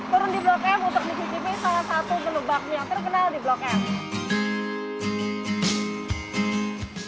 turun di blok m untuk mencicipi salah satu menu bakmi yang terkenal di blok m